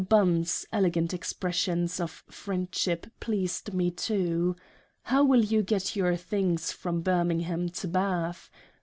Bunn's elegant Expressions of Friendship pleased me too. How will you get your Things from Birmingham to Bath